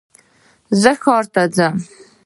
زه ښار ته ځم